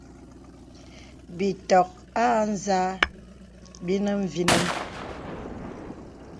Bìtɔ̀k â zā bìnə mvinəŋ.